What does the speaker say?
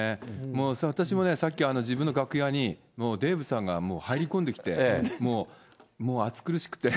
もう私もね、自分の楽屋にデーブさんが入り込んできて、もう暑苦しくて。